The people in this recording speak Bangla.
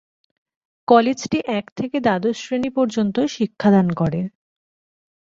কলেজটি এক থেকে দ্বাদশ শ্রেণী পর্যন্ত শিক্ষাদান করে।